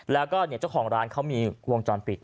แล้วก็เจ้าของร้านเขามีวงจรปิด